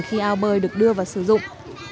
khi ao bơi được đưa và sử dụng